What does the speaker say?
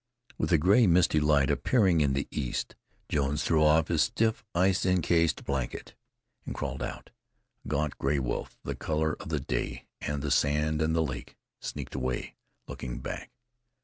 With a gray, misty light appearing in the east, Jones threw off his stiff, ice incased blanket, and crawled out. A gaunt gray wolf, the color of the day and the sand and the lake, sneaked away, looking back.